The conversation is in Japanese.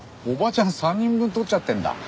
おばちゃん３人分取っちゃってるんだ。